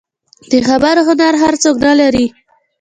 د خبرو هنر هر څوک نه لري.